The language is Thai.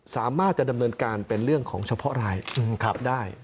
สามารถจะดำเนินการเป็นเรื่องของเฉพาะรายได้